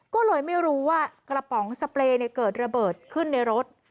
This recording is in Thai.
ก็เลยไม่รู้ว่ากระป๋องสเปรย์เกิดระเบิดขึ้นในรถ